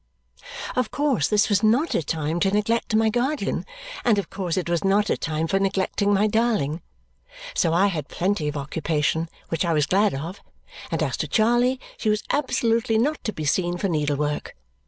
Of course this was not a time to neglect my guardian, and of course it was not a time for neglecting my darling. So I had plenty of occupation, which I was glad of; and as to Charley, she was absolutely not to be seen for needlework.